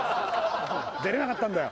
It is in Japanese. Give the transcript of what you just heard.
出れなかったんだよ。